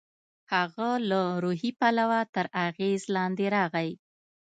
هغه له روحي پلوه تر اغېز لاندې راغی.